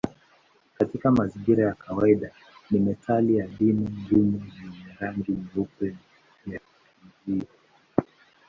Katika mazingira ya kawaida ni metali adimu ngumu yenye rangi nyeupe ya kijivu.